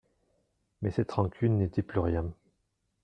Mais cette rancune n'était plus rien.